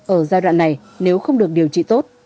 ở giai đoạn này nếu không được điều trị tốt